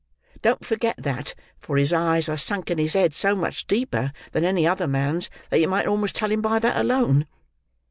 Don't forget that, for his eyes are sunk in his head so much deeper than any other man's, that you might almost tell him by that alone.